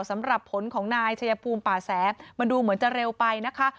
สำหรับผลของนายชายภูมิป่าแสมันดูเหมือนจะเร็วไปนะคะ